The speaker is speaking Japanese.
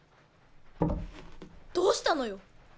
どうしたのよ